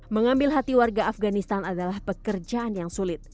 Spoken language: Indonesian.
mengambil hati warga afganistan adalah pekerjaan yang sulit